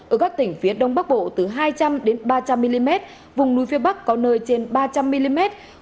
ở các tỉnh phía đông bắc bộ từ hai trăm linh ba trăm linh mm vùng núi phía bắc có nơi trên ba trăm linh mm